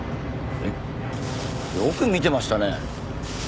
えっよく見てましたね。